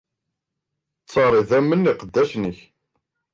Ttttaṛ n idammen n iqeddacen-ik.